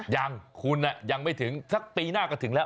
ยังคุณยังไม่ถึงสักปีหน้าก็ถึงแล้ว